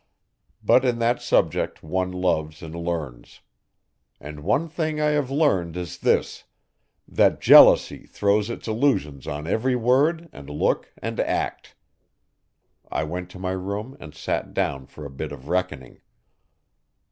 But in that subject one loves and learns. And one thing I have learned is this, that jealousy throws its illusions on every word and look and act. I went to my room and sat down for a bit of reckoning.